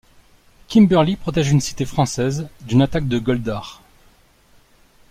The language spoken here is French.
Kimberly protège une cité française d'une attaque de Goldar.